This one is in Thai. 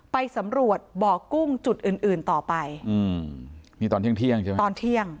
ไปสำรวจบ่อกุ้งจุดอื่นอื่นต่อไปอืมนี่ตอนเที่ยงเที่ยงใช่ไหมตอนเที่ยง